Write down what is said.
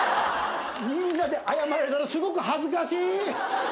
みんなで謝られたらすごく恥ずかしい！